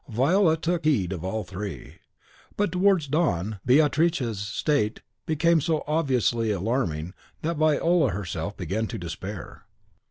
Viola took heed of all three. But towards dawn, Beatrice's state became so obviously alarming, that Viola herself began to despair.